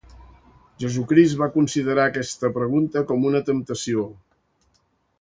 Jesucrist va considerar esta pregunta com una temptació.